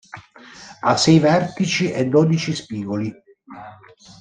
Ha sei vertici e dodici spigoli.